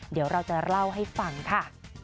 เดี๋ยวเราจะเล่าให้ฟังค่ะ